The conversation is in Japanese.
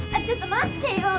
ちょっと待ってよ！